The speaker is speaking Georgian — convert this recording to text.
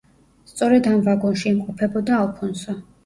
სწორედ ამ ვაგონში იმყოფებოდა ალფონსო.